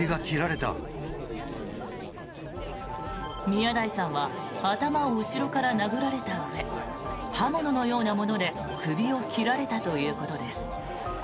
宮台さんは頭を後ろから殴られたうえ刃物のようなもので首を切られたということです。